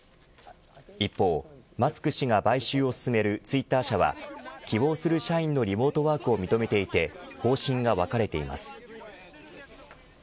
一方マスク氏が買収を進めるツイッター社は希望する社員のリモートワークを認めていて方針が分かれています。